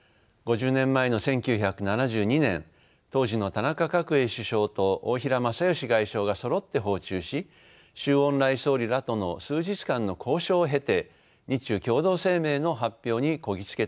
５０年前の１９７２年当時の田中角栄首相と大平正芳外相がそろって訪中し周恩来総理らとの数日間の交渉を経て日中共同声明の発表にこぎ着けたのです。